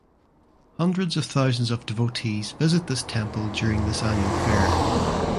Hundreds of thousands of devotees visit this temple during this annual fair.